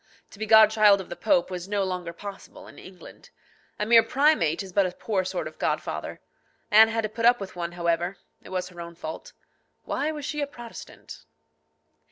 To be godchild of the Pope was no longer possible in England. A mere primate is but a poor sort of godfather. Anne had to put up with one, however. It was her own fault. Why was she a Protestant?